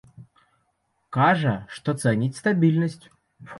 Кажа, што цэніць стабільнасць.